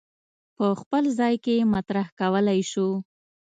په خپل ځای کې یې مطرح کولای شو.